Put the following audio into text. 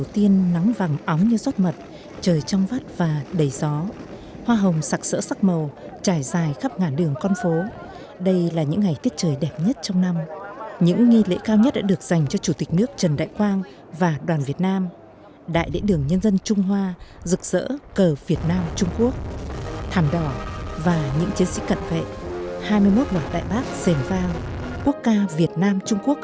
việt nam trung quốc thảm đỏ và những chiến sĩ cận vệ hai mươi một quả tại bắc sền vang quốc ca việt nam trung quốc